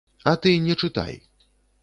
А ты не чытай.